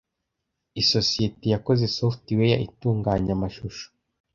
isosiyete yakoze software itunganya amashusho.